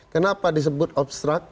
kenapa disebut obstruct